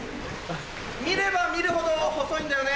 見れば見るほど細いんだよね。